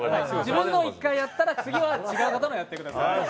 自分のを１回やったら、次は違う方のをやってください。